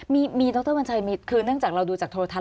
มีดรวัญชัยมีคือเนื่องจากเราดูจากโทรทัศ